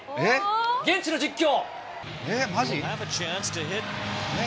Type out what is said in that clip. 現地の実況。